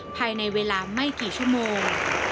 ภายในเวลาไม่กี่ชั่วโมง